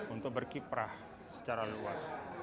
untuk berkiprah secara luas